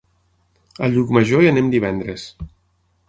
A Llucmajor hi anem divendres.